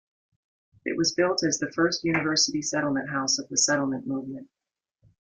It was built as the first university settlement house of the settlement movement.